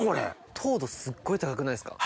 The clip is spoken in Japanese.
糖度すっごい高くないですか？